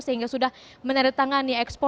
sehingga sudah menandatangani ekspor